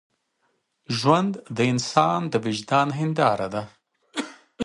ژوند د انسان د وجدان هنداره ده.